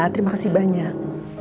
terima kasih banyak